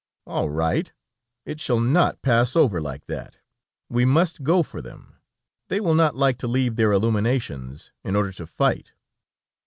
All right. It shall not pass over like that. We must go for them; they will not like to leave their illuminations in order to fight."